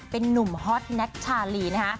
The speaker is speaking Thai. เป็นนุ่มฮอตแน็กชาลีนะคะ